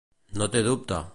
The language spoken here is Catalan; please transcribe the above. No té dubte.